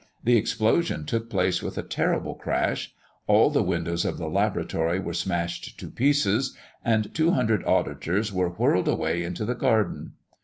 The explosion took place with a terrible crash; all the windows of the laboratory were smashed to pieces, and two hundred auditors were whirled away into the garden.